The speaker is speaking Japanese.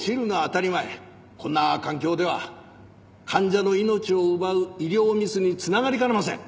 こんな環境では患者の命を奪う医療ミスにつながりかねません。